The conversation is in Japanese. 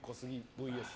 ＶＳ